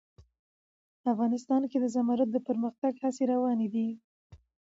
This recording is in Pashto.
افغانستان کې د زمرد د پرمختګ هڅې روانې دي.